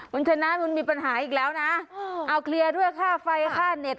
คุณชนะมันมีปัญหาอีกแล้วนะเอาเคลียร์ด้วยค่าไฟค่าเน็ต